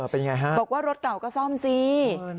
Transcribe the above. บอกว่ารถเต่าก็ซ่อมซี